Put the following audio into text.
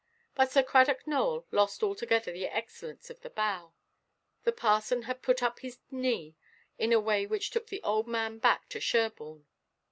But Sir Cradock Nowell lost altogether the excellence of the bow. The parson had put up his knee in a way which took the old man back to Sherborne.